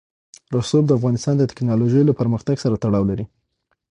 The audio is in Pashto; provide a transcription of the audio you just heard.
رسوب د افغانستان د تکنالوژۍ له پرمختګ سره تړاو لري.